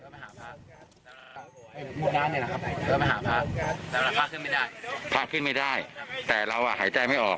มันมาหาภาพภาพขึ้นไม่ได้ภาพขึ้นไม่ได้แต่เราอ่ะหายใจไม่ออก